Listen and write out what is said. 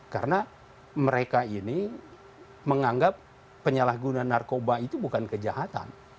karena mereka ini menganggap penyalahgunaan narkoba itu bukan kejahatan